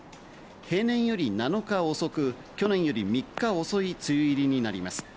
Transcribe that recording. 平年より７日遅く、去年より３日遅い梅雨入りになります。